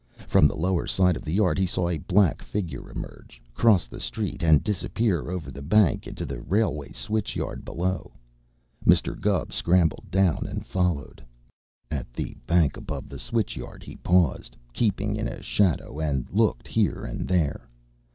From the lower side of the yard he saw a black figure emerge, cross the street and disappear over the bank into the railway switch yard below. Mr. Gubb scrambled down and followed. At the bank above the switch yard he paused, keeping in a shadow, and looked here and there.